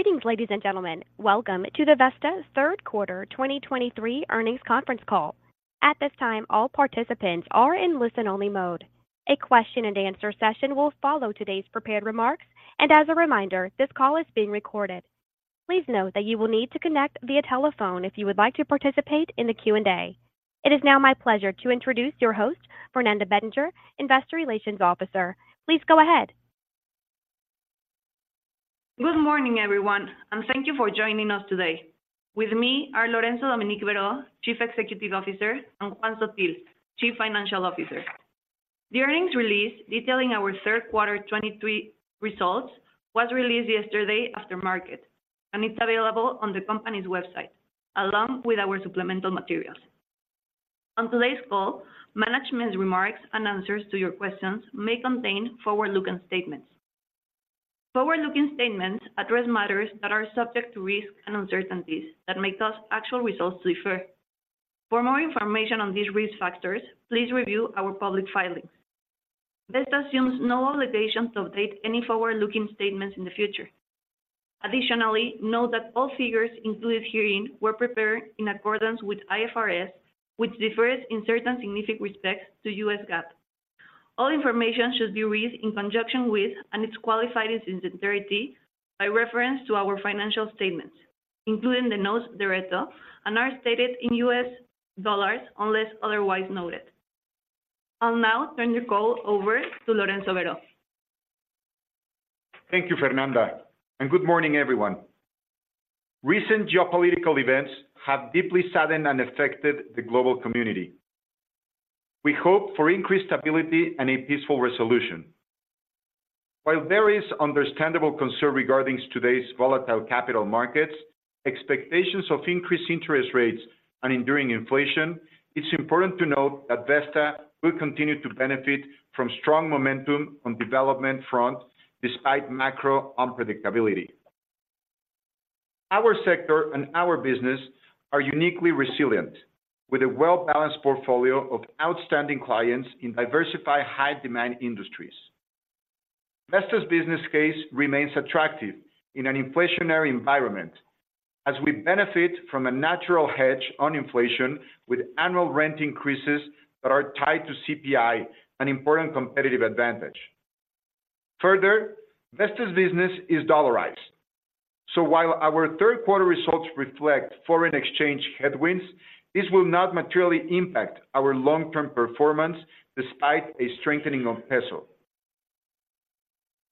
Greetings, ladies and gentlemen. Welcome to the Vesta third quarter 2023 earnings conference call. At this time, all participants are in listen-only mode. A question and answer session will follow today's prepared remarks, and as a reminder, this call is being recorded. Please note that you will need to connect via telephone if you would like to participate in the Q&A. It is now my pleasure to introduce your host, Fernanda Bettinger, Investor Relations Officer. Please go ahead. Good morning, everyone, and thank you for joining us today. With me are Lorenzo Dominique Berho, Chief Executive Officer, and Juan Sottil, Chief Financial Officer. The earnings release detailing our third quarter 2023 results was released yesterday after-market, and it's available on the company's website, along with our supplemental materials. On today's call, management's remarks and answers to your questions may contain forward-looking statements. Forward-looking statements address matters that are subject to risks and uncertainties that make those actual results differ. For more information on these risk factors, please review our public filings. Vesta assumes no obligation to update any forward-looking statements in the future. Additionally, note that all figures included herein were prepared in accordance with IFRS, which differs in certain significant respects to U.S. GAAP. All information should be read in conjunction with, and it's qualified as in its entirety, by reference to our financial statements, including the notes thereto, and are stated in U.S. dollars, unless otherwise noted. I'll now turn the call over to Lorenzo Berho. Thank you, Fernanda, and good morning, everyone. Recent geopolitical events have deeply saddened and affected the global community. We hope for increased stability and a peaceful resolution. While there is understandable concern regarding today's volatile capital markets, expectations of increased interest rates and enduring inflation, it's important to note that Vesta will continue to benefit from strong momentum on development front despite macro unpredictability. Our sector and our business are uniquely resilient, with a well-balanced portfolio of outstanding clients in diversified, high-demand industries. Vesta's business case remains attractive in an inflationary environment as we benefit from a natural hedge on inflation, with annual rent increases that are tied to CPI, an important competitive advantage. Further, Vesta's business is dollarized. While our third quarter results reflect foreign exchange headwinds, this will not materially impact our long-term performance, despite a strengthening of peso.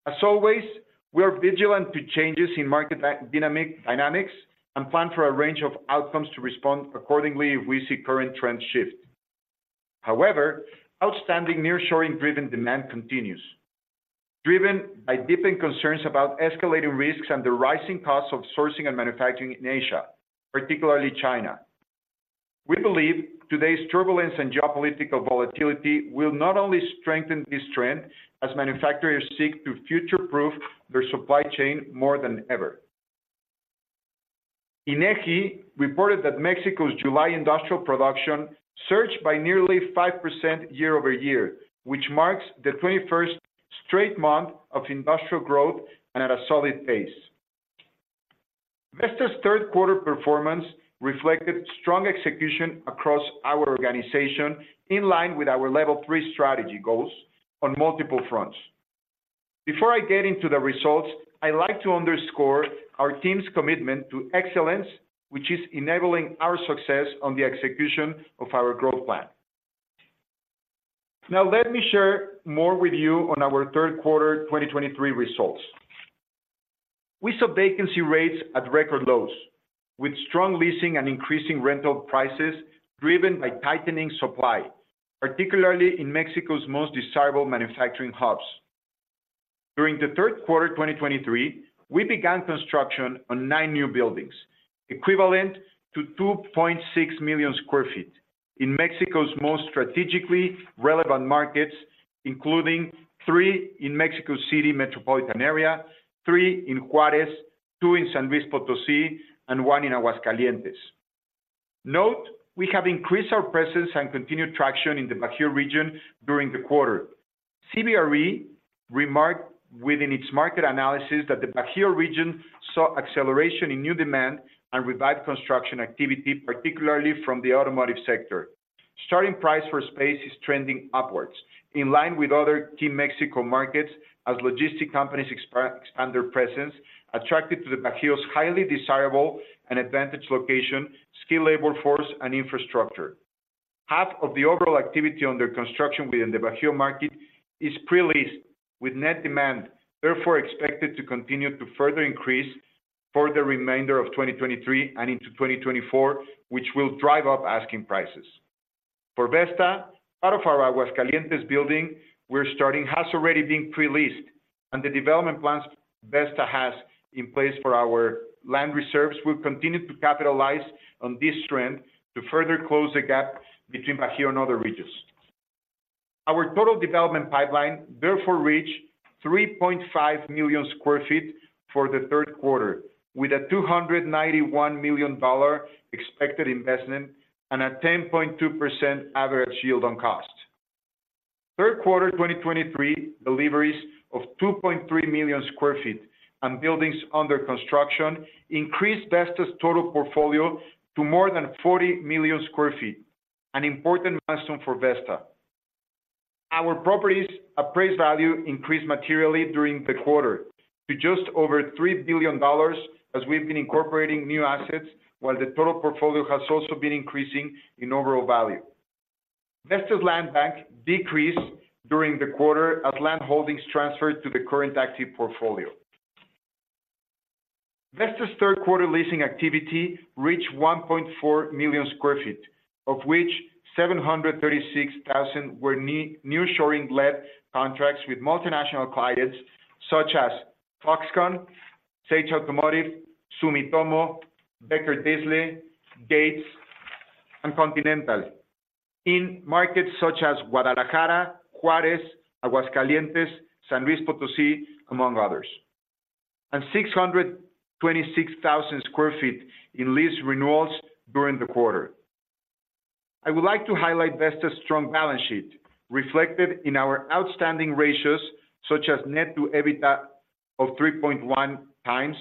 As always, we are vigilant to changes in market dynamics and plan for a range of outcomes to respond accordingly if we see current trends shift. However, outstanding nearshoring-driven demand continues, driven by deepening concerns about escalating risks and the rising costs of sourcing and manufacturing in Asia, particularly China. We believe today's turbulence and geopolitical volatility will not only strengthen this trend as manufacturers seek to future-proof their supply chain more than ever. INEGI reported that Mexico's July industrial production surged by nearly 5% year-over-year, which marks the 21st straight month of industrial growth and at a solid pace. Vesta's third quarter performance reflected strong execution across our organization, in line with our Level 3 Strategy goals on multiple fronts. Before I get into the results, I'd like to underscore our team's commitment to excellence, which is enabling our success on the execution of our growth plan. Now, let me share more with you on our third quarter 2023 results. We saw vacancy rates at record lows, with strong leasing and increasing rental prices driven by tightening supply, particularly in Mexico's most desirable manufacturing hubs. During the third quarter 2023, we began construction on nine new buildings, equivalent to 2.6 million sq ft in Mexico's most strategically relevant markets, including three in Mexico City metropolitan area, three in Juárez, two in San Luis Potosí, and one in Aguascalientes. Note, we have increased our presence and continued traction in the Bajío region during the quarter. CBRE remarked within its market analysis that the Bajío region saw acceleration in new demand and revived construction activity, particularly from the automotive sector. Starting price for space is trending upwards, in line with other key Mexico markets as logistic companies expand their presence, attracted to the Bajío's highly desirable and advantaged location, skilled labor force, and infrastructure. Half of the overall activity under construction within the Bajío market is pre-leased, with net demand therefore expected to continue to further increase for the remainder of 2023 and into 2024, which will drive up asking prices. For Vesta, part of our Aguascalientes building we're starting has already been pre-leased, and the development plans Vesta has in place for our land reserves will continue to capitalize on this trend to further close the gap between Bajío and other regions. Our total development pipeline, therefore, reached 3.5 million sq ft for the third quarter, with a $291 million expected investment and a 10.2% average yield on cost. Third quarter 2023 deliveries of 2.3 million sq ft and buildings under construction increased Vesta's total portfolio to more than 40 million sq ft, an important milestone for Vesta. Our properties' appraised value increased materially during the quarter to just over $3 billion, as we've been incorporating new assets, while the total portfolio has also been increasing in overall value. Vesta's land bank decreased during the quarter as land holdings transferred to the current active portfolio. Vesta's third quarter leasing activity reached 1.4 million sq ft, of which 736,000 were nearshoring-led contracts with multinational clients such as Foxconn, Sage Automotive, Sumitomo, BekaertDeslee, Gates, and Continental in markets such as Guadalajara, Juárez, Aguascalientes, San Luis Potosí, among others, and 626,000 sq ft in lease renewals during the quarter. I would like to highlight Vesta's strong balance sheet, reflected in our outstanding ratios, such as Net Debt to EBITDA of 3.1x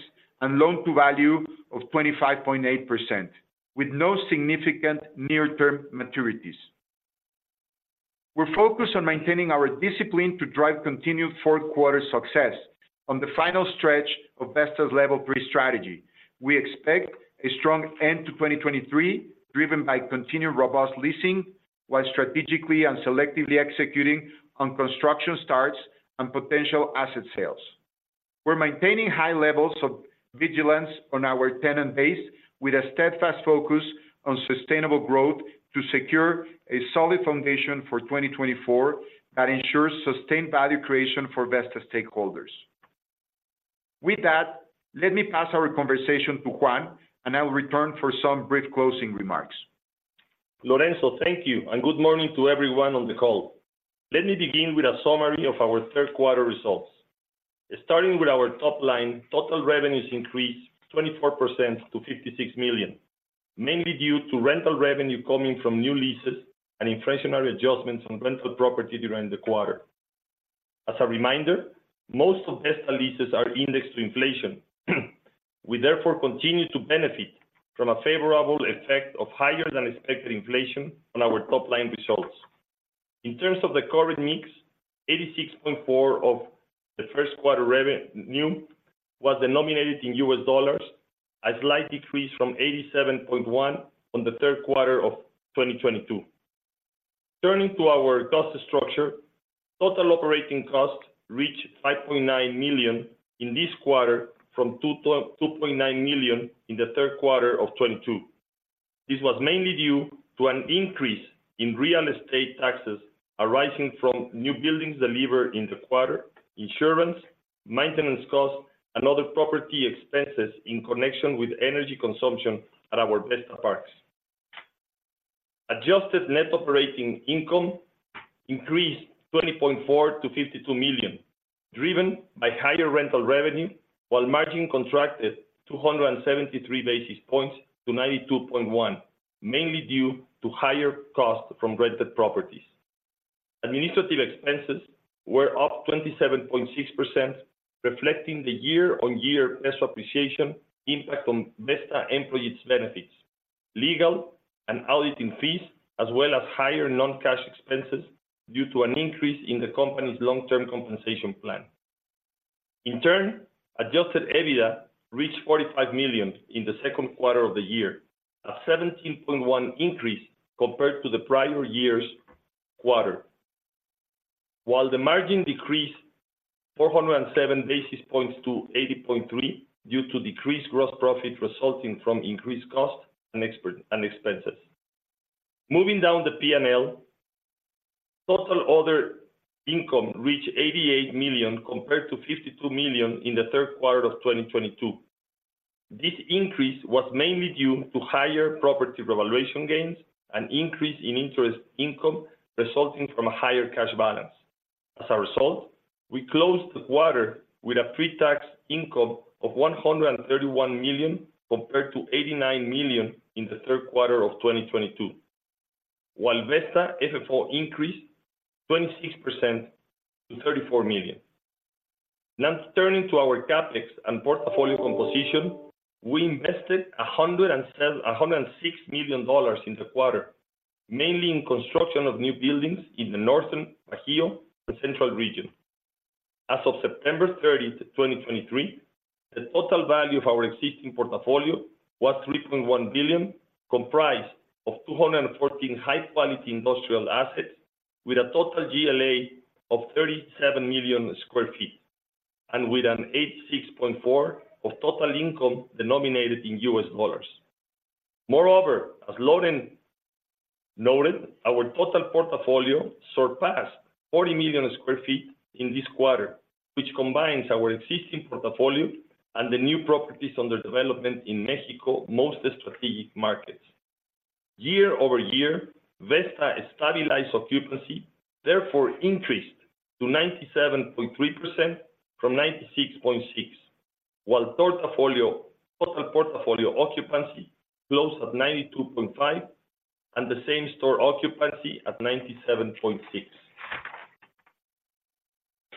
and loan-to-value of 25.8%, with no significant near-term maturities. We're focused on maintaining our discipline to drive continued fourth quarter success. On the final stretch of Vesta's Level 3 Strategy, we expect a strong end to 2023, driven by continued robust leasing, while strategically and selectively executing on construction starts and potential asset sales. We're maintaining high levels of vigilance on our tenant base, with a steadfast focus on sustainable growth to secure a solid foundation for 2024, that ensures sustained value creation for Vesta stakeholders. With that, let me pass our conversation to Juan, and I will return for some brief closing remarks. Lorenzo, thank you, and good morning to everyone on the call. Let me begin with a summary of our third quarter results. Starting with our top line, total revenues increased 24% to $56 million, mainly due to rental revenue coming from new leases and inflationary adjustments on rental property during the quarter. As a reminder, most of Vesta leases are indexed to inflation. We therefore continue to benefit from a favorable effect of higher than expected inflation on our top line results. In terms of the current mix, 86.4 of the first quarter revenue was denominated in U.S. dollars, a slight decrease from 87.1 on the third quarter of 2022. Turning to our cost structure, total operating costs reached $5.9 million in this quarter from $2.9 million in the third quarter of 2022. This was mainly due to an increase in real estate taxes arising from new buildings delivered in the quarter, insurance, maintenance costs, and other property expenses in connection with energy consumption at our Vesta parks. Adjusted Net Operating Income increased $20.4 million to $52 million, driven by higher rental revenue, while margin contracted 273 basis points to 92.1, mainly due to higher costs from rented properties. Administrative expenses were up 27.6%, reflecting the year-on-year peso appreciation impact on Vesta employees' benefits, legal and auditing fees, as well as higher non-cash expenses due to an increase in the company's long-term compensation plan. In turn, Adjusted EBITDA reached $45 million in the second quarter of the year, a 17.1 increase compared to the prior year's quarter. While the margin decreased 407 basis points to 80.3, due to decreased gross profit resulting from increased costs and expenses. Moving down the P&L, total other income reached $88 million, compared to $52 million in the third quarter of 2022. This increase was mainly due to higher property revaluation gains and increase in interest income, resulting from a higher cash balance. As a result, we closed the quarter with a pre-tax income of $131 million, compared to $89 million in the third quarter of 2022, while Vesta FFO increased 26% to $34 million. Now, turning to our CapEx and portfolio composition, we invested $106 million in the quarter, mainly in construction of new buildings in the northern, Bajío, and central region. As of September 30th, 2023, the total value of our existing portfolio was $3.1 billion, comprised of 214 high-quality industrial assets, with a total GLA of 37 million sq ft, and with 86.4 of total income denominated in U.S. dollars. Moreover, as Lorenzo noted, our total portfolio surpassed 40 million sq ft in this quarter, which combines our existing portfolio and the new properties under development in Mexico's most strategic markets. Year-over-year, Vesta stabilized occupancy, therefore, increased to 97.3% from 96.6%. While total portfolio occupancy closed at 92.5%, and the same-store occupancy at 97.6%.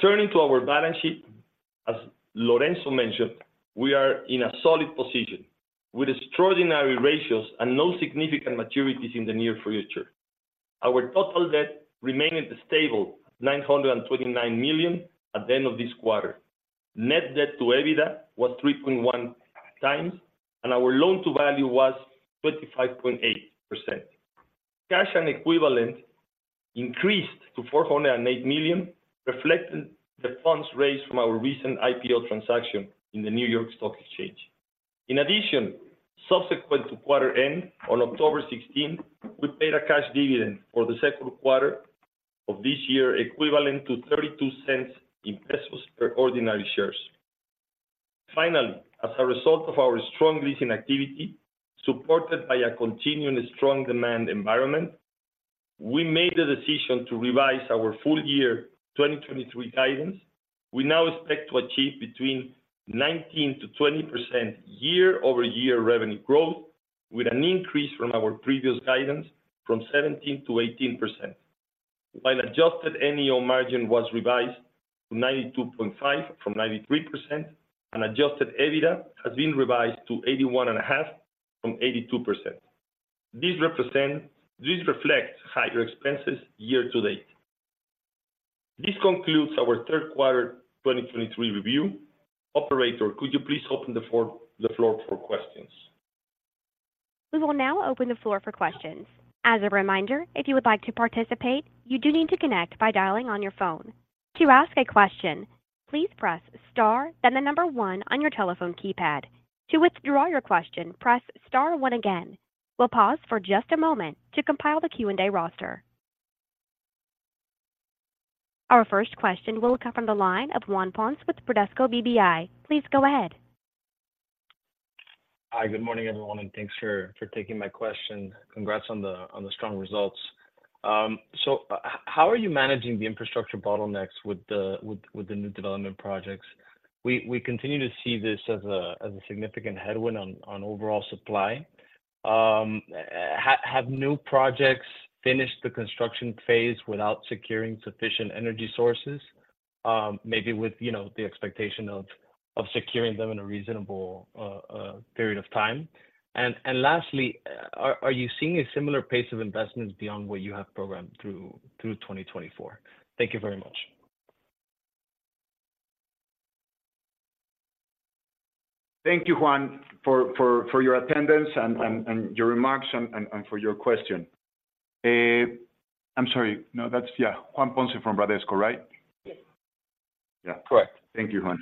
Turning to our balance sheet, as Lorenzo mentioned, we are in a solid position, with extraordinary ratios and no significant maturities in the near future. Our total debt remained at a stable $929 million at the end of this quarter. Net debt to EBITDA was 3.1x, and our loan-to-value was 25.8%. Cash and equivalent increased to $408 million, reflecting the funds raised from our recent IPO transaction in the New York Stock Exchange. In addition, subsequent to quarter end, on October 16, we paid a cash dividend for the second quarter of this year, equivalent to 0.32 per ordinary shares. Finally, as a result of our strong leasing activity, supported by a continuing strong demand environment, we made the decision to revise our full year 2023 guidance. We now expect to achieve between 19%-20% year-over-year revenue growth, with an increase from our previous guidance from 17%-18%, while adjusted NOI margin was revised to 92.5% from 93%, and adjusted EBITDA has been revised to 81.5% from 82%. This reflects higher expenses year-to-date. This concludes our third quarter 2023 review. Operator, could you please open the floor for questions? We will now open the floor for questions. As a reminder, if you would like to participate, you do need to connect by dialing on your phone. To ask a question, please press star, then the number one on your telephone keypad. To withdraw your question, press star one again. We'll pause for just a moment to compile the Q&A roster. Our first question will come from the line of Juan Ponce with Bradesco BBI. Please go ahead. Hi, good morning, everyone, and thanks for taking my question. Congrats on the strong results. How are you managing the infrastructure bottlenecks with the new development projects? We continue to see this as a significant headwind on overall supply. Have new projects finished the construction phase without securing sufficient energy sources, maybe with, you know, the expectation of securing them in a reasonable period of time? Lastly, are you seeing a similar pace of investments beyond what you have programmed through 2024? Thank you very much. Thank you, Juan, for your attendance and your remarks and for your question. I'm sorry, no. Yeah. Juan Ponce from Bradesco, right? Yes. Yeah. Correct. Thank you, Juan.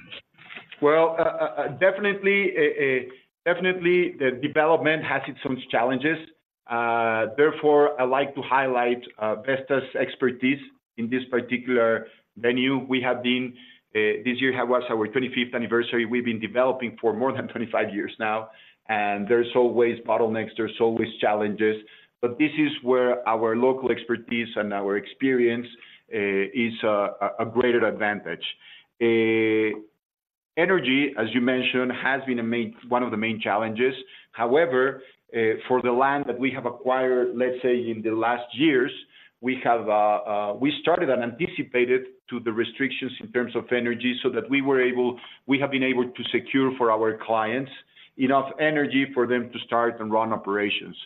Well, definitely the development has its own challenges. Therefore, I like to highlight Vesta's expertise in this particular venue. This year was our 25th anniversary. We've been developing for more than 25 years now, and there's always bottlenecks, there's always challenges, but this is where our local expertise and our experience is a greater advantage. Energy, as you mentioned, has been one of the main challenges. However for the land that we have acquired, let's say, in the last years, we started and anticipated to the restrictions in terms of energy so that we have been able to secure for our clients enough energy for them to start and run operations.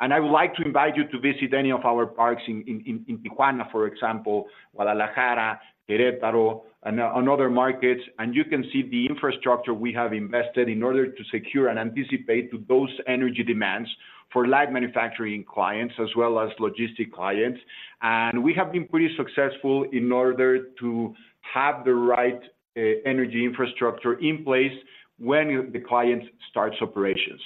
I would like to invite you to visit any of our parks in Tijuana, for example, Guadalajara, Querétaro, and on other markets, and you can see the infrastructure we have invested in order to secure and anticipate to those energy demands for light manufacturing clients as well as logistic clients. We have been pretty successful in order to have the right energy infrastructure in place when the client starts operations.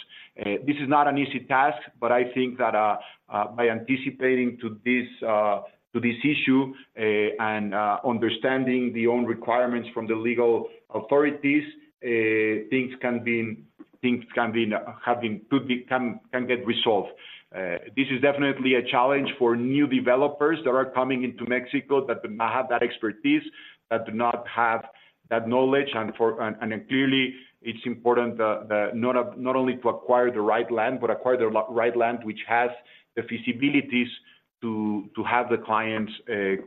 This is not an easy task, but I think that by anticipating to this issue and understanding the own requirements from the legal authorities, things can get resolved. This is definitely a challenge for new developers that are coming into Mexico that do not have that expertise, that do not have that knowledge, and clearly, it's important that not only to acquire the right land, but acquire the right land, which has the feasibilities to have the clients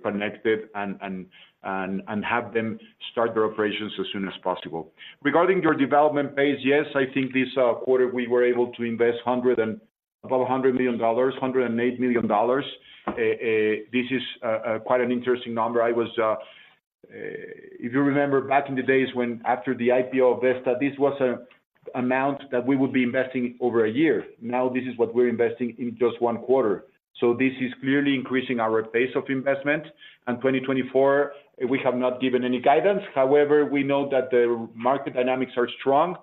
connected and have them start their operations as soon as possible. Regarding your development pace, yes, I think this quarter, we were able to invest about $100 million, $108 million. This is quite an interesting number. If you remember back in the days when after the IPO of Vesta, this was an amount that we would be investing over a year. Now, this is what we're investing in just one quarter. This is clearly increasing our pace of investment. 2024, we have not given any guidance. However, we know that the market dynamics are strong,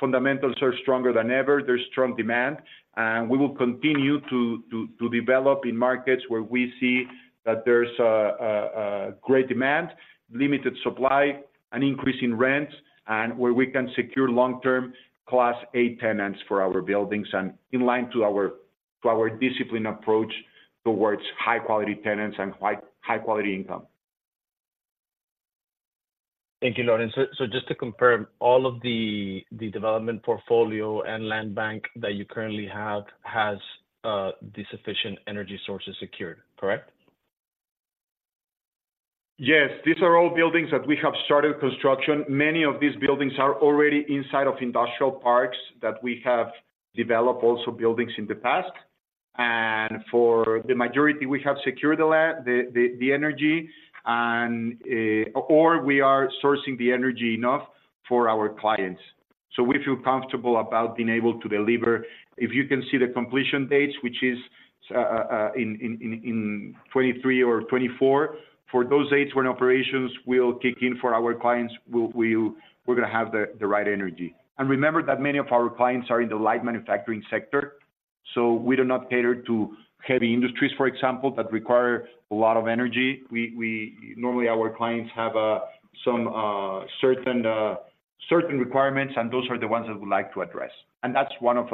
fundamentals are stronger than ever, there's strong demand, and we will continue to develop in markets where we see that there's a great demand, limited supply, an increase in rents, and where we can secure long-term Class A tenants for our buildings, and in line to our disciplined approach towards high-quality tenants and high-quality income. Thank you, Lorenzo. Just to confirm, all of the development portfolio and land bank that you currently have has the sufficient energy sources secured, correct? Yes. These are all buildings that we have started construction. Many of these buildings are already inside of industrial parks that we have developed also buildings in the past. For the majority, we have secured the land, the energy, and or we are sourcing the energy enough for our clients. We feel comfortable about being able to deliver. If you can see the completion dates, which is in 2023 or 2024, for those dates when operations will kick in for our clients we're gonna have the right energy. Remember that many of our clients are in the light manufacturing sector, so we do not cater to heavy industries, for example, that require a lot of energy. Normally, our clients have some certain requirements, and those are the ones that we like to address. That's one of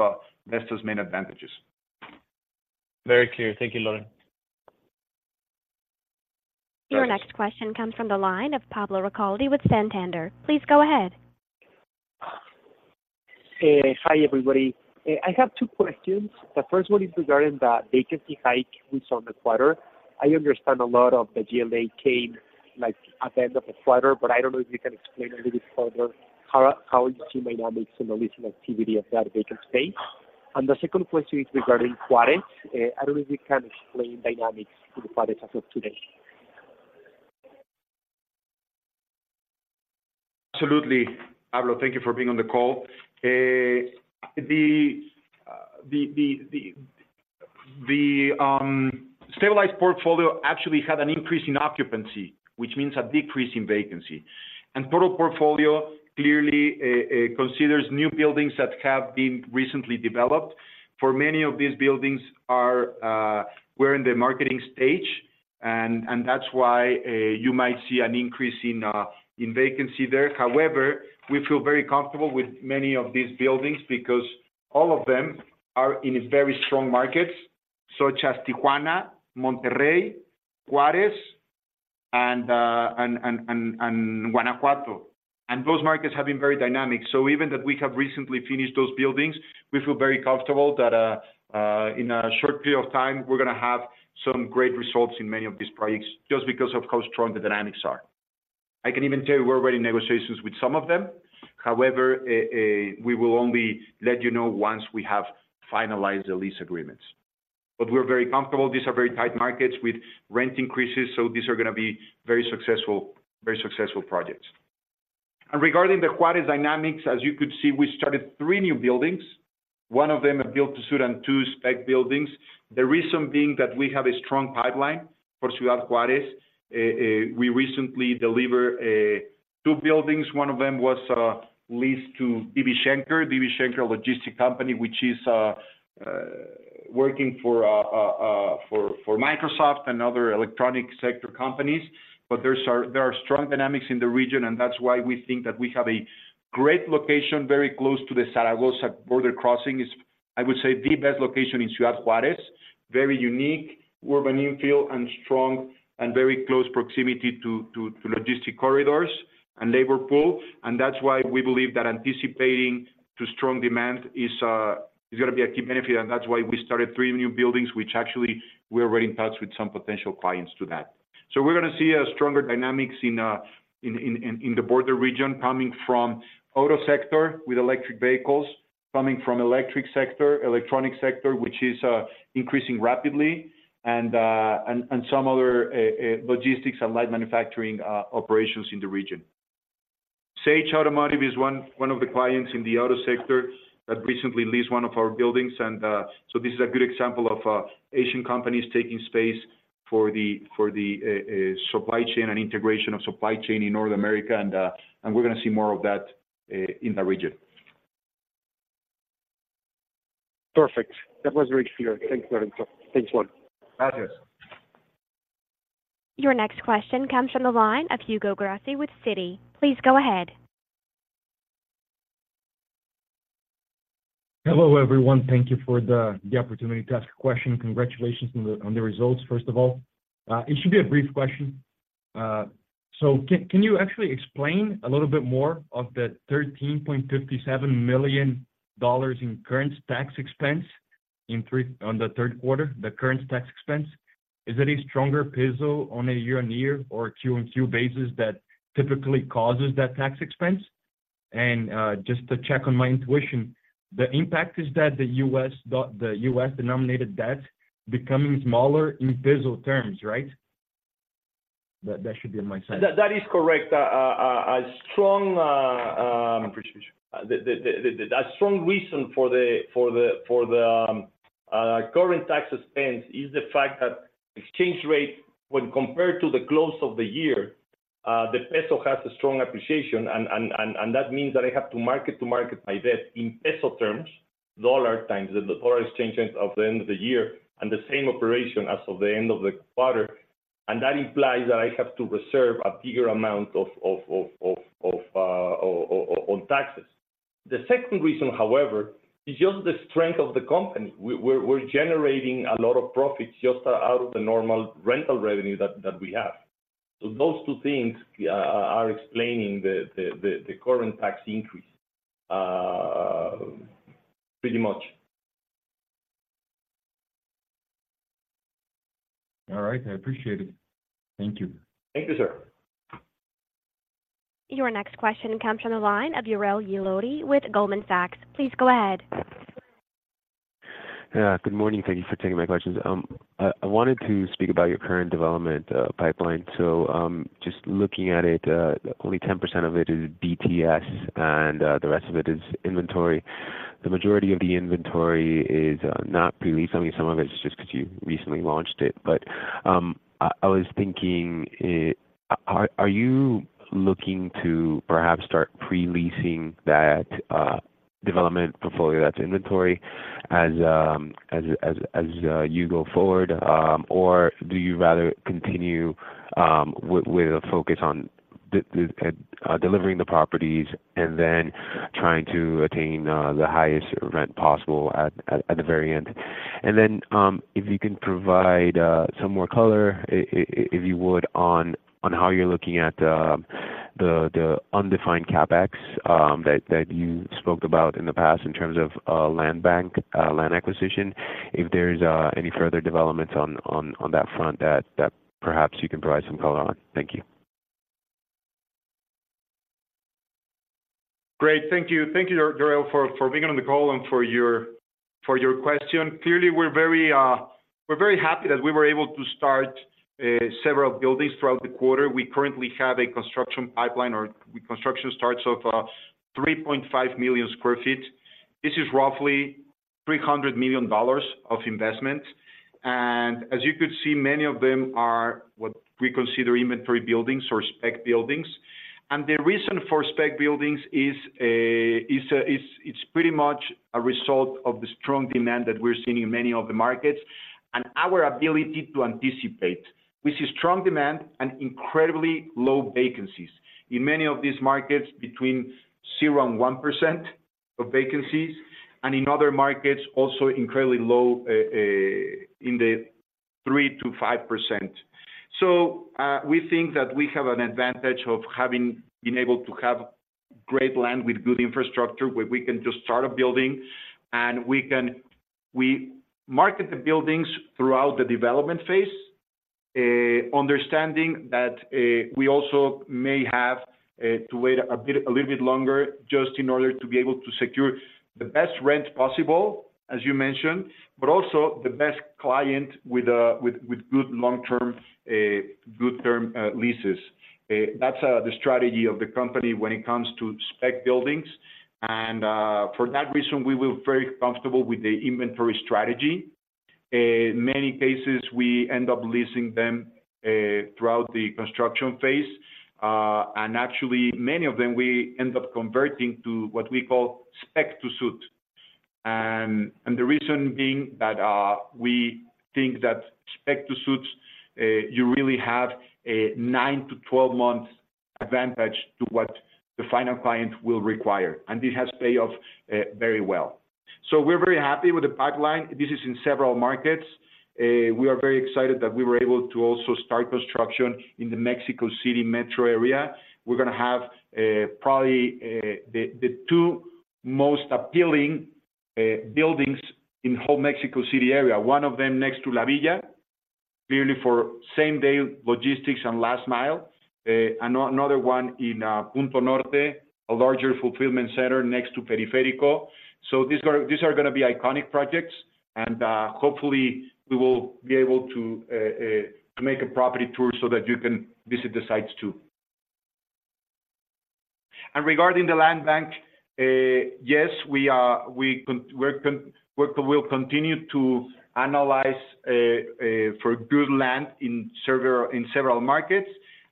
Vesta's main advantages. Very clear. Thank you, Lorenzo. Your next question comes from the line of Pablo Ricalde with Santander. Please go ahead. Hi, everybody. I have two questions. The first one is regarding the vacancy hike we saw in the quarter. I understand a lot of the GLA came, like, at the end of the quarter, but I don't know if you can explain a little bit further how you see dynamics and the leasing activity of that vacant space. The second question is regarding Juárez. I don't know if you can explain dynamics in Juárez as of today. Absolutely. Pablo, thank you for being on the call. The stabilized portfolio actually had an increase in occupancy, which means a decrease in vacancy. Total portfolio, clearly, considers new buildings that have been recently developed. We're in the marketing stage, and that's why you might see an increase in vacancy there. However, we feel very comfortable with many of these buildings because all of them are in very strong markets such as Tijuana, Monterrey, Juárez, and Guanajuato. Those markets have been very dynamic. Even that we have recently finished those buildings, we feel very comfortable that in a short period of time, we're gonna have some great results in many of these projects just because of how strong the dynamics are. I can even tell you we're already in negotiations with some of them. However, we will only let you know once we have finalized the lease agreements. We're very comfortable. These are very tight markets with rent increases, so these are gonna be very successful, very successful projects. Regarding the Juárez dynamics, as you could see, we started three new buildings, one of them a build-to-suit and two spec buildings. The reason being that we have a strong pipeline for Ciudad Juárez. We recently delivered two buildings. One of them was leased to DB Schenker. DB Schenker, a logistics company, which is working for Microsoft and other electronic sector companies. There are strong dynamics in the region, and that's why we think that we have a great location, very close to the Zaragoza border crossing. Is, I would say, the best location in Ciudad Juárez, very unique, urban infill, and strong and very close proximity to logistics corridors and labor pool. That's why we believe that anticipating to strong demand is gonna be a key benefit, and that's why we started three new buildings, which actually we're already in touch with some potential clients to that. We're gonna see a stronger dynamics in the border region coming from auto sector, with electric vehicles, coming from electric sector, electronic sector, which is increasing rapidly, and some other logistics and light manufacturing operations in the region. Sage Automotive is one of the clients in the auto sector that recently leased one of our buildings, and so this is a good example of Asian companies taking space for the supply chain and integration of supply chain in North America, and we're gonna see more of that in the region. Perfect. That was very clear. Thank you, Lorenzo. Thanks a lot. Gracias. Your next question comes from the line of Hugo Grassi with Citi. Please go ahead. Hello, everyone. Thank you for the opportunity to ask a question. Congratulations on the results, first of all. It should be a brief question. Can you actually explain a little bit more of the $13.57 million in current tax expense on the third quarter, the current tax expense? Is it a stronger peso on a year-on-year or Q-on-Q basis that typically causes that tax expense? Just to check on my intuition, the impact is that the U.S.-denominated debt becoming smaller in peso terms, right? That should be my summary. That is correct. Appreciation A strong reason for the current tax expense is the fact that exchange rate, when compared to the close of the year, the peso has a strong appreciation, and that means that I have to mark-to-market my debt in peso terms, dollar times the dollar exchange rate of the end of the year, and the same operation as of the end of the quarter. That implies that I have to reserve a bigger amount on taxes. The second reason, however, is just the strength of the company. We're generating a lot of profits just out of the normal rental revenue that we have. Those two things are explaining the current tax increase pretty much. All right, I appreciate it. Thank you. Thank you, sir. Your next question comes from the line of Jorel Guilloty with Goldman Sachs. Please go ahead. Yeah, good morning. Thank you for taking my questions. I wanted to speak about your current development pipeline. Just looking at it, only 10% of it is BTS, and the rest of it is inventory. The majority of the inventory is not pre-leased. I mean, some of it is just because you recently launched it. I was thinking, are you looking to perhaps start pre-leasing that development portfolio, that inventory, as you go forward or do you rather continue with a focus on delivering the properties and then trying to attain the highest rent possible at the very end? If you can provide some more color, if you would, on how you're looking at the undefined CapEx that you spoke about in the past in terms of land bank, land acquisition. If there's any further developments on that front that perhaps you can provide some color on. Thank you. Great, thank you. Thank you, Yureli, for being on the call and for your question. Clearly, we're very happy that we were able to start several buildings throughout the quarter. We currently have a construction pipeline or construction starts of 3.5 million sq ft. This is roughly $300 million of investment, and as you could see, many of them are what we consider inventory buildings or spec buildings. The reason for spec buildings is pretty much a result of the strong demand that we're seeing in many of the markets and our ability to anticipate. We see strong demand and incredibly low vacancies. In many of these markets, between 0% and 1% of vacancies, and in other markets, also incredibly low, in the 3%-5%. We think that we have an advantage of having been able to have great land with good infrastructure, where we can just start a building. We market the buildings throughout the development phase, understanding that we also may have to wait a bit, a little bit longer just in order to be able to secure the best rent possible, as you mentioned, but also the best client with good long-term, good term leases. That's the strategy of the company when it comes to spec buildings, and for that reason, we feel very comfortable with the inventory strategy. Many cases, we end up leasing them throughout the construction phase. Actually, many of them, we end up converting to what we call spec to suit. The reason being that we think that Spec to Suit, you really have a nine-12-month advantage to what the final client will require, and this has paid off very well. We're very happy with the pipeline. This is in several markets. We are very excited that we were able to also start construction in the Mexico City metro area. We're gonna have probably the two most appealing buildings in the whole Mexico City area. One of them next to La Villa, clearly for same-day logistics and last mile, and another one in Punto Norte, a larger fulfillment center next to Periférico. These are gonna be iconic projects, and hopefully, we will be able to make a property tour so that you can visit the sites, too. Regarding the land bank, yes, we are, we will continue to analyze for good land in several markets.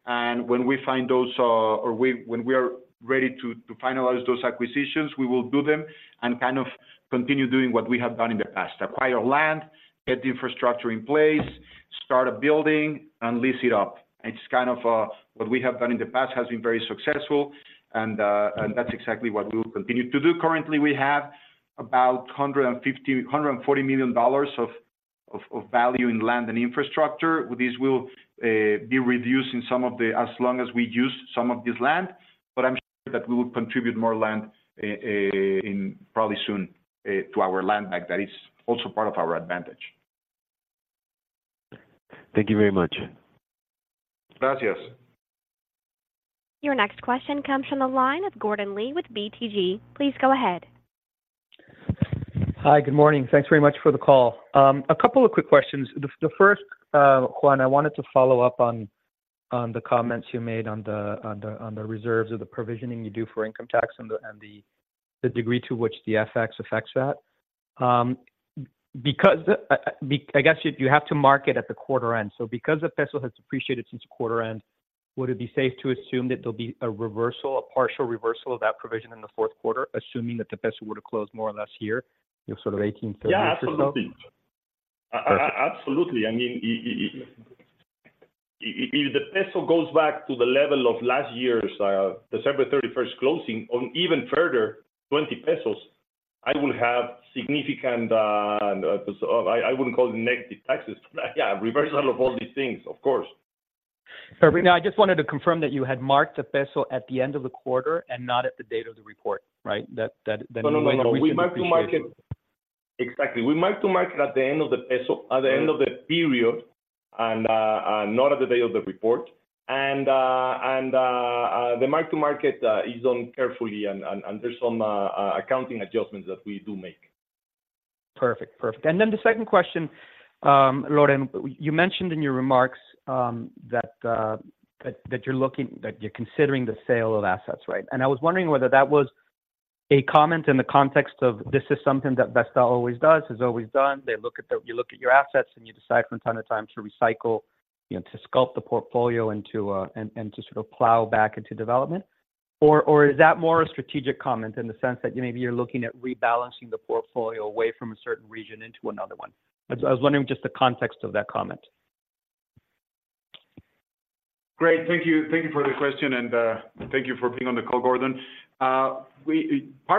When we find those or when we are ready to finalize those acquisitions, we will do them and kind of continue doing what we have done in the past: acquire land, get the infrastructure in place, start a building, and lease it up. It's kind of what we have done in the past has been very successful, and that's exactly what we will continue to do. Currently, we have about $150 million-$140 million of value in land and infrastructure. This will be reduced as long as we use some of this land, but I'm sure that we will contribute more land in probably soon to our land bank. That is also part of our advantage. Thank you very much. Gracias. Your next question comes from the line of Gordon Lee with BTG. Please go ahead. Hi, good morning. Thanks very much for the call. A couple of quick questions. The first, Juan, I wanted to follow up on the comments you made on the reserves or the provisioning you do for income tax and the degree to which the FX affects that. Because I guess you have to mark it at the quarter end. Because the peso has appreciated since quarter end, would it be safe to assume that there'll be a reversal, a partial reversal of that provision in the fourth quarter, assuming that the peso were to close more or less here, you know, sort of 18.30 or so? Yeah, absolutely. Perfect. Absolutely. I mean, if the peso goes back to the level of last year's December 31st closing, or even further, 20 pesos, I will have significant, so I wouldn't call it negative taxes. Yeah, reversal of all these things, of course. Sorry, now I just wanted to confirm that you had marked the peso at the end of the quarter and not at the date of the report, right? No. We mark-to-market. Exactly. We mark-to-market at the end of the period and not at the day of the report. The mark-to-market is done carefully, and there's some accounting adjustments that we do make. Perfect. Perfect. The second question, Lorenzo, you mentioned in your remarks that you're considering the sale of assets, right? I was wondering whether that was a comment in the context of this is something that Vesta always does, has always done. You look at your assets, and you decide from time to time to recycle, you know, to sculpt the portfolio into and to sort of plow back into development. Is that more a strategic comment in the sense that maybe you're looking at rebalancing the portfolio away from a certain region into another one? I was wondering just the context of that comment. Great. Thank you. Thank you for the question, and thank you for being on the call, Gordon. Part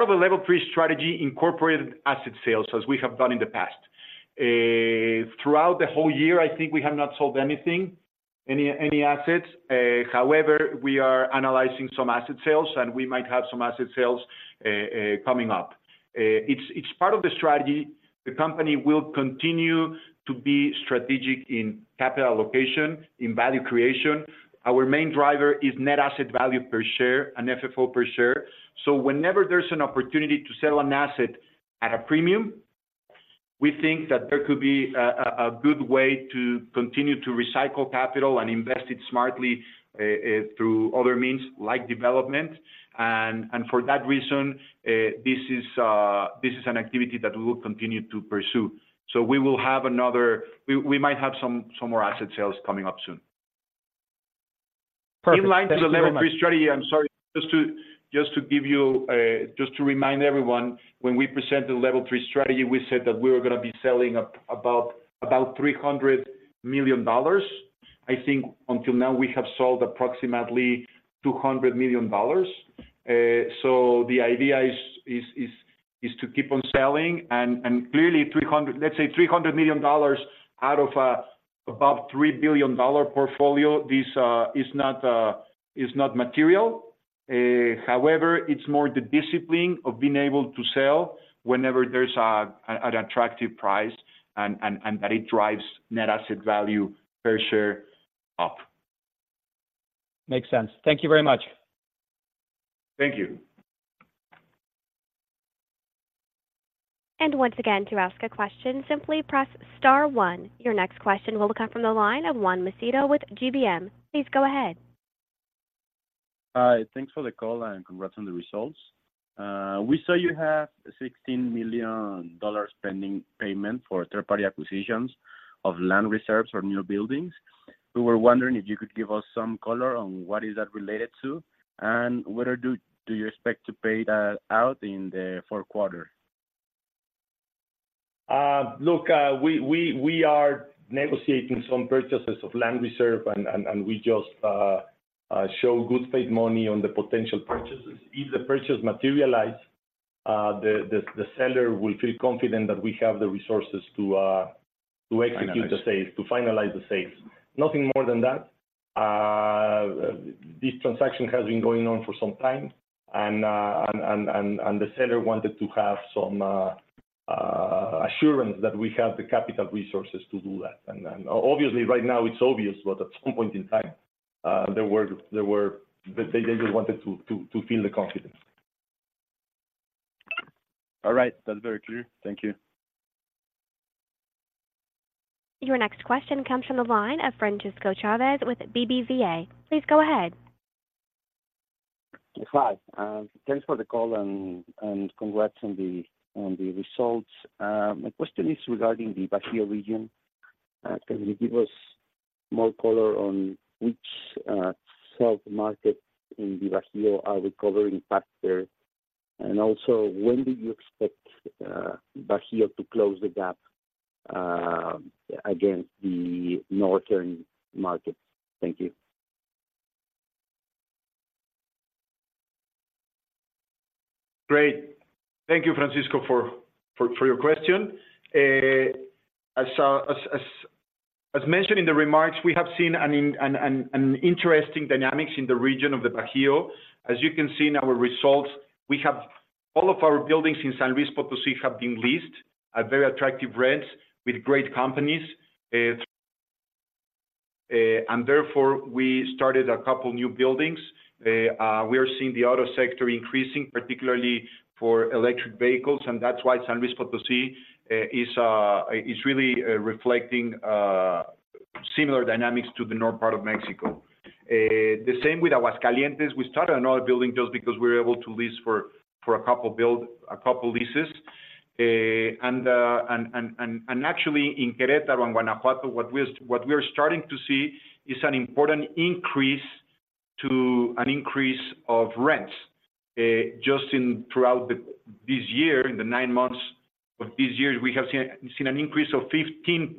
of the Level 3 Strategy incorporated asset sales, as we have done in the past. Throughout the whole year, I think we have not sold anything, any assets. However, we are analyzing some asset sales, and we might have some asset sales coming up. It's part of the strategy. The company will continue to be strategic in capital allocation, in value creation. Our main driver is net asset value per share and FFO per share. Whenever there's an opportunity to sell an asset at a premium, we think that there could be a good way to continue to recycle capital and invest it smartly through other means, like development. For that reason, this is an activity that we will continue to pursue. We might have some more asset sales coming up soon. Perfect. In line with the Level 3 Strategy, I'm sorry, just to remind everyone, when we presented the Level 3 Strategy, we said that we were gonna be selling about $300 million. I think until now, we have sold approximately $200 million. The idea is to keep on selling. Clearly, let's say $300 million out of about $3-billion portfolio, this is not material. However, it's more the discipline of being able to sell whenever there's an attractive price and that it drives net asset value per share up. Makes sense. Thank you very much. Thank you. Once again, to ask a question, simply press star one. Your next question will come from the line of Juan Macedo with GBM. Please go ahead. Hi, thanks for the call, and congrats on the results. We saw you have $16 million spending payment for third-party acquisitions of land reserves or new buildings. We were wondering if you could give us some color on what is that related to, and whether do you expect to pay that out in the fourth quarter? Look, we are negotiating some purchases of land reserve, and we just show good faith money on the potential purchases. If the purchase materialize, the seller will feel confident that we have the resources to execute, finalize the sales, to finalize the sales. Nothing more than that. This transaction has been going on for some time, and the seller wanted to have some assurance that we have the capital resources to do that. Obviously, right now it's obvious, but at some point in time, they just wanted to feel the confidence. All right. That's very clear. Thank you. Your next question comes from the line of Francisco Chavez with BBVA. Please go ahead. Hi, thanks for the call and congrats on the results. My question is regarding the Bajío region. Can you give us more color on which submarket in the Bajío are recovering faster? Also, when do you expect Bajío to close the gap against the northern markets? Thank you. Great. Thank you, Francisco, for your question. As mentioned in the remarks, we have seen an interesting dynamics in the region of the Bajío. As you can see in our results, we have all of our buildings in San Luis Potosí have been leased at very attractive rents with great companies. Therefore, we started a couple new buildings. We are seeing the auto sector increasing, particularly for electric vehicles, and that's why San Luis Potosí is really reflecting similar dynamics to the north part of Mexico. The same with Aguascalientes. We started another building just because we were able to lease for a couple leases. Actually in Querétaro and Guanajuato, what we're, what we are starting to see is an important increase to an increase of rents. Just in throughout the this year, in the nine months of this year, we have seen an increase of 15%,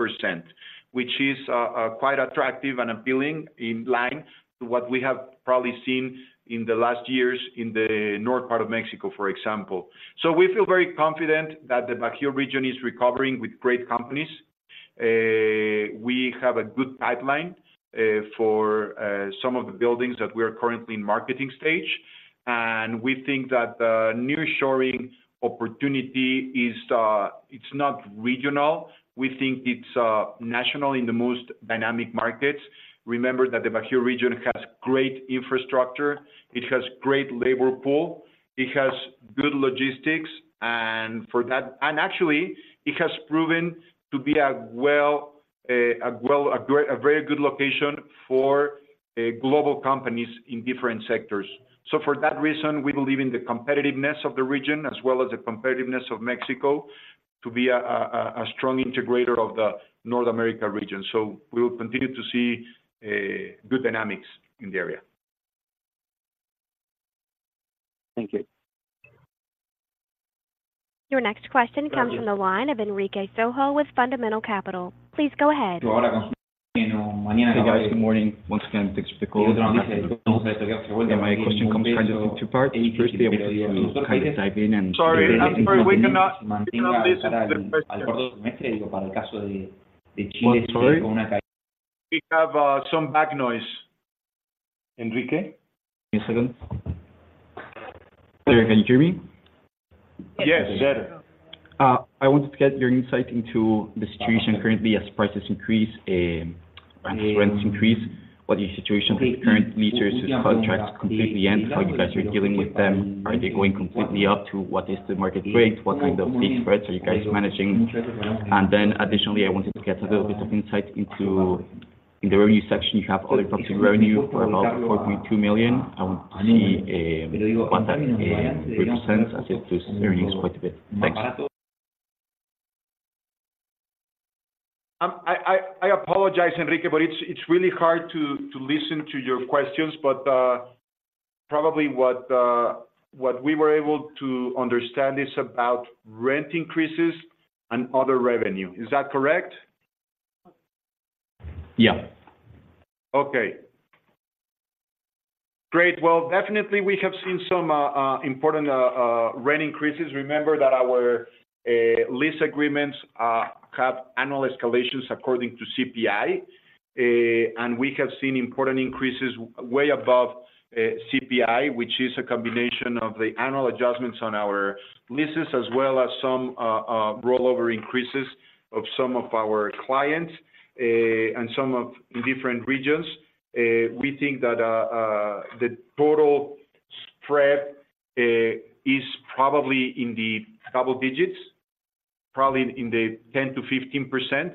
which is quite attractive and appealing in line to what we have probably seen in the last years in the north part of Mexico, for example. We feel very confident that the Bajío region is recovering with great companies. We have a good pipeline for some of the buildings that we are currently in marketing stage, and we think that the nearshoring opportunity is it's not regional. We think it's national in the most dynamic markets. Remember that the Bajío region has great infrastructure, it has great labor pool, it has good logistics, and actually, it has proven to be a great, a very good location for global companies in different sectors. For that reason, we believe in the competitiveness of the region, as well as the competitiveness of Mexico, to be a strong integrator of the North America region. We will continue to see good dynamics in the area. Thank you. Your next question comes from the line of Enrique Sojo with Fundamental Capital. Please go ahead. Hey, guys, good morning. Once again, thanks for the call. My question comes kind of in two parts. First, to kind of dive in and. Sorry, I'm sorry, we cannot listen to the question. What, sorry? We have some back noise. Enrique? Give me a second. Can you hear me? Yes, better. I wanted to get your insight into the situation currently as prices increase and as rents increase. What is the situation with current leases whose contracts completely end? How are you guys are dealing with them? Are they going completely up to what is the market rate? What kind of fixed rates are you guys managing? Additionally, I wanted to get a little bit of insight. In the revenue section, you have other revenue for about $4.2 million. I want to see what that represents, as it does vary quite a bit. Thanks. I apologize, Enrique, but it's really hard to listen to your questions, but probably what we were able to understand is about rent increases and other revenue. Is that correct? Yeah. Okay. Great. Well, definitely we have seen some important rent increases. Remember that our lease agreements have annual escalations according to CPI. We have seen important increases way above CPI, which is a combination of the annual adjustments on our leases, as well as some rollover increases of some of our clients and some of different regions. We think that the total spread is probably in the double digits, probably in the 10%-15%.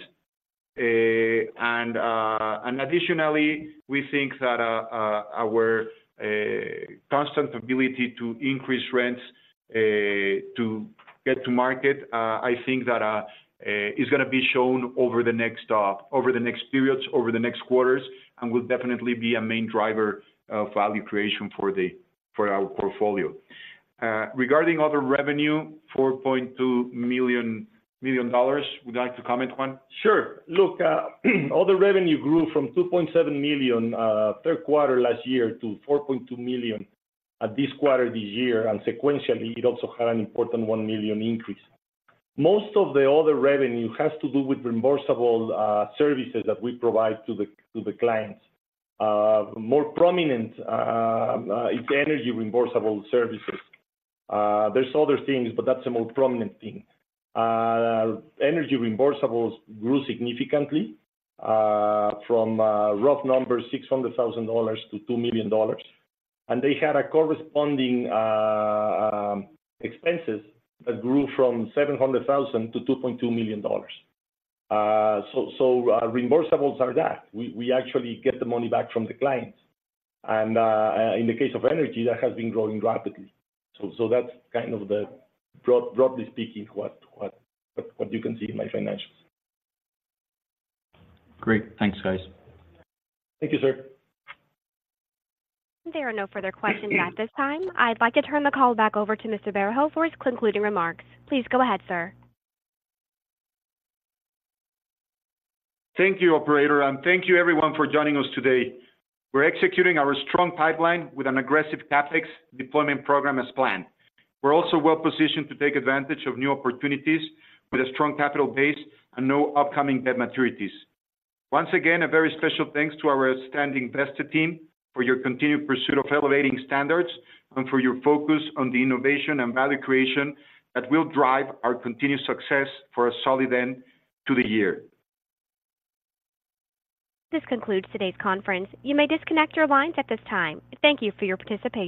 Additionally, we think that our constant ability to increase rents to get to market, I think that is gonna be shown over the next periods, over the next quarters, and will definitely be a main driver of value creation for our portfolio. Regarding other revenue, $4.2 million, would you like to comment, Juan? Sure. Look, other revenue grew from $2.7 million, third quarter last year, to $4.2 million at this quarter this year, and sequentially, it also had an important $1 million increase. Most of the other revenue has to do with reimbursable services that we provide to the clients. More prominent is energy reimbursable services. There's other things, but that's the most prominent thing. Energy reimbursables grew significantly from rough numbers, $600,000-$2 million. They had a corresponding expenses that grew from $700,000-$2.2 million. Reimbursables are that. We actually get the money back from the clients, and in the case of energy, that has been growing rapidly. That's kind of, broadly speaking, what you can see in my financials. Great. Thanks, guys. Thank you, sir. There are no further questions at this time. I'd like to turn the call back over to Mr. Berho for his concluding remarks. Please go ahead, sir. Thank you, operator, and thank you everyone for joining us today. We're executing our strong pipeline with an aggressive CapEx deployment program as planned. We're also well positioned to take advantage of new opportunities with a strong capital base and no upcoming debt maturities. Once again, a very special thanks to our outstanding Vesta team for your continued pursuit of elevating standards and for your focus on the innovation and value creation that will drive our continued success for a solid end to the year. This concludes today's conference. You may disconnect your lines at this time. Thank you for your participation.